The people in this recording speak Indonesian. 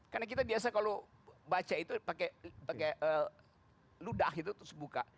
karena kita biasa kalau baca itu pakai ludah itu terus buka